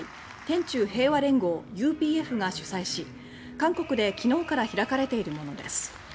天宙平和連合・ＵＰＦが主催し韓国で昨日から開かれているものです。